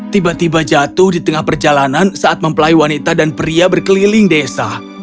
tiba tiba jatuh di tengah perjalanan saat mempelai wanita dan pria berkeliling desa